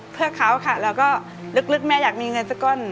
เพื่อเขาค่ะแล้วก็ลึกแม่อยากมีเงินสักก้อน